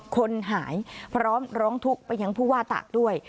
คนหายพร้อมร้องทุกข์ไปยังผู้ว่าตากด้วย